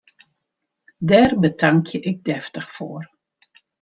Dêr betankje ik deftich foar!